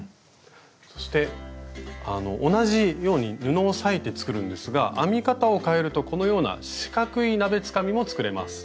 そして同じように布を裂いて作るんですが編み方をかえるとこのような四角い鍋つかみも作れます。